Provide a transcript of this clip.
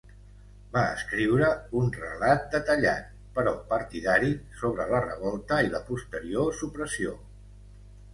Va escriure un relat detallat, però partidari, sobre la revolta i la posterior supressió.